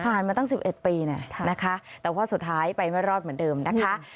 มาตั้ง๑๑ปีนะคะแต่ว่าสุดท้ายไปไม่รอดเหมือนเดิมนะคะ